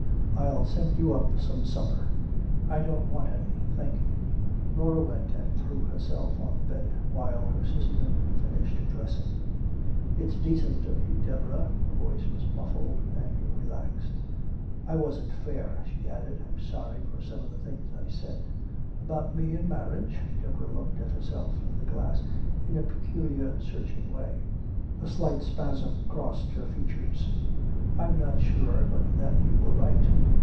I'll send you up some supper." "I don't want any, thank you." Laura went and threw herself on the bed, while her sister finished dressing. "It's decent of you, Deborah." Her voice was muffled and relaxed. "I wasn't fair," she added. "I'm sorry for some of the things I said." "About me and marriage?" Deborah looked at herself in the glass in a peculiar searching way. A slight spasm crossed her features. "I'm not sure but that you were right.